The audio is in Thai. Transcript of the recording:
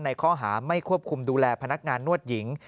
ในข้อหาไม่ควบคุมดูแลพนักงานนวดหญิง